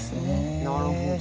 なるほど。